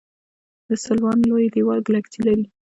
د سلوان لوی دیوال ګلکسي لري.